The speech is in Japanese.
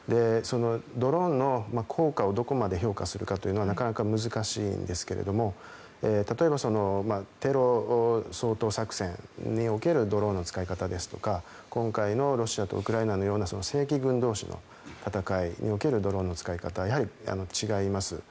ドローンの効果をどこまで評価するかというのはなかなか難しいんですが例えば、テロ掃討作戦におけるドローンの使い方ですとか今回のロシアとウクライナのような正規軍同士の戦いにおけるドローンの使い方はやはり違います。